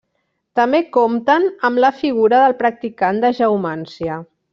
També compten amb la figura del practicant de geomància.